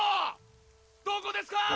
どこですか！